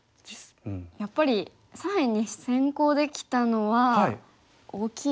やっぱり左辺に先行できたのは大きいですね。